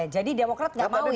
jadi demokrat tidak mau ya